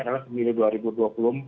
adalah milik dua ribu dua puluh empat